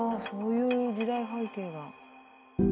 そういう時代背景が。